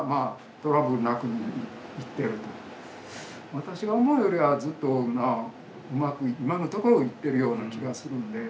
私が思うよりはずっとうまく今のところいってるような気がするんで。